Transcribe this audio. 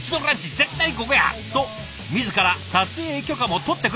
絶対ここやと自ら撮影許可も取ってくれたんです。